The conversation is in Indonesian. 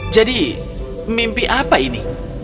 jadi mimpi apa ini